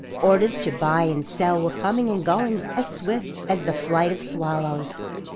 Orders to buy and sell were coming and going as swift as the flight of swallows.